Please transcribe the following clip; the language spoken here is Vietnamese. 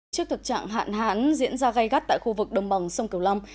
trước thực trạng hạn hãn diễn ra gây gắt tại khu vực đồng bằng sông cửu lâm